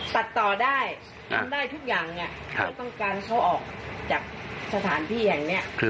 หูยพูดยากมันด่าเราอีกแล้วค่ะ